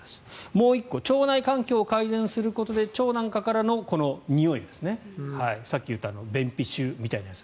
もう１個腸内環境を改善することで腸なんかからのにおいさっき言った便秘臭みたいなやつ。